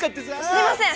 すみません